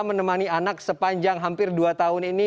menemani anak sepanjang hampir dua tahun ini